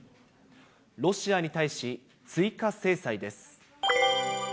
ロシアに対し、追加制裁です。